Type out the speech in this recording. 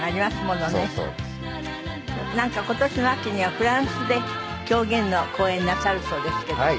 今年の秋にはフランスで狂言の公演なさるそうですけど。